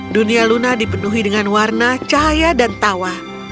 dunia luna dipenuhi dengan warna cahaya dan tawa